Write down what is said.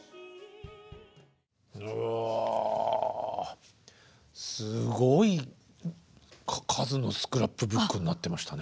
うわすごい数のスクラップブックになってましたね。